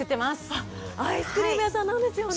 あアイスクリーム屋さんなんですよね。